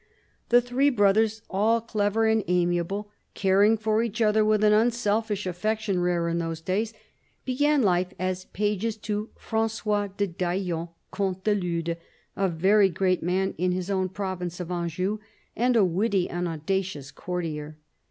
The three brothers, all clever and amiable, caring for each other with an unselfish affection rare in those days, began life as pages to Fran9ois de Daillon, Comte du Lude, a very great man in his own province of Anjou, and a witty and audacious courtier.